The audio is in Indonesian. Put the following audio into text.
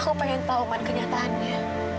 aku pengen tau man kenyataannya